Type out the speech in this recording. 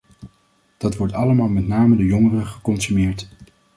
Dat wordt allemaal met name door jongeren geconsumeerd.